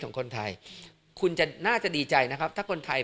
ของคนไทยคุณจะน่าจะดีใจนะครับถ้าคนไทย